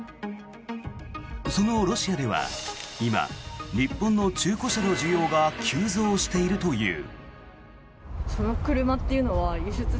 そのロシアでは今日本の中古車の需要が急増しているという。